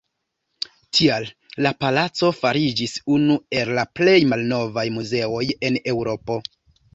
Tial la palaco fariĝis unu el plej malnovaj muzeoj en Eŭropo.